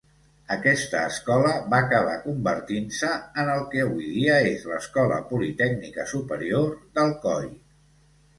Aquesta escola va acabar convertint-se en el que avui dia és l'Escola Politècnica Superior d'Alcoi.